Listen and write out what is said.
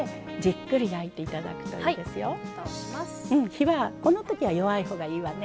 火はこの時は弱い方がいいわね。